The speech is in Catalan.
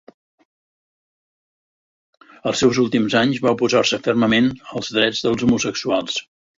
Els seus últims anys, va oposar-se fermament als drets dels homosexuals.